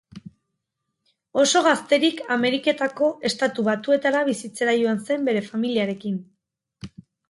Oso gazterik Ameriketako Estatu Batuetara bizitzera joan zen bere familiarekin.